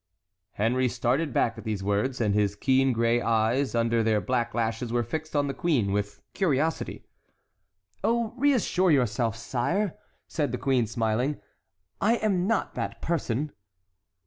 Henry started back at these words, and his keen gray eyes under their black lashes were fixed on the queen with curiosity. "Oh, reassure yourself, sire," said the queen, smiling; "I am not that person."